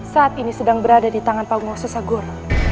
saat ini sedang berada di tangan panggung sosagur